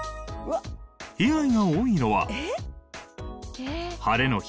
被害が多いのは晴れの日？